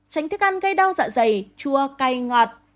tránh thức ăn gây đau dạ dày chua cay ngọt